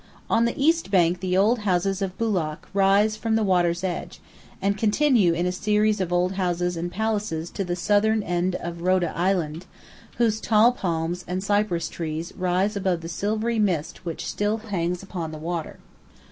On the East Bank the old houses of Būlak rise from the water's edge, and continue in a series of old houses and palaces to the southern end of Rhoda Island, whose tall palms and cypress trees rise above the silvery mist which still hangs upon the water.